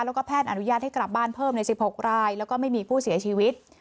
แล้วก็แพทย์อนุญาตให้กลับบ้านเพิ่มใน๑๖รายแล้วก็ไม่มีผู้เสียชีวิต